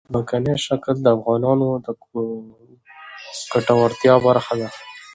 ځمکنی شکل د افغانانو د ګټورتیا برخه ده.